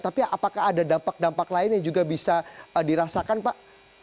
tapi apakah ada dampak dampak lain yang juga bisa dirasakan pak